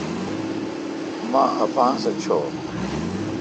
مہ اپاسہ چور۔